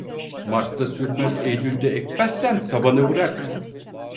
Martta sürmez, eylülde ekmezsen sabanı bırak.